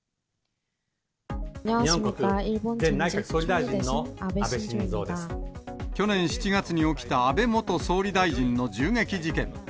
日本国前内閣総理大臣の安倍去年７月に起きた安倍元総理大臣の銃撃事件。